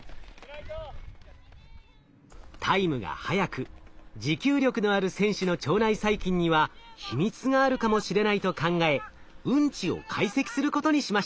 タイムが速く持久力のある選手の腸内細菌には秘密があるかもしれないと考えうんちを解析することにしました。